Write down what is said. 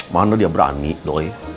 mana dia berani doi